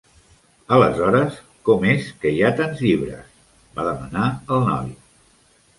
"Aleshores, com és que hi ha tants llibres?", va demanar el noi.